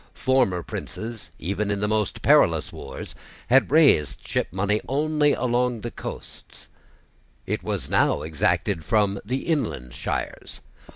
Former princes, even in the most perilous wars, had raised shipmoney only along the coasts: it was now exacted from the inland shires.